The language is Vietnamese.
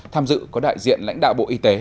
tham dự có đại diện lãnh đạo bộ y tế